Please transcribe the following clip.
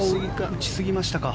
打ちすぎましたか。